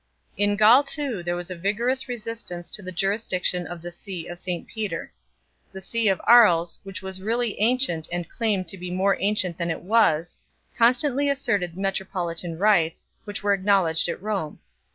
In Gaul too there was a vigorous resistance to the jurisdiction of the see of St Peter. The see of Aries, which was really ancient and claimed to be more ancient than it was, constantly asserted metropolitan rights, which were acknowledged at Rome.